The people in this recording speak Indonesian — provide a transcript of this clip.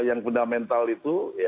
yang fundamental itu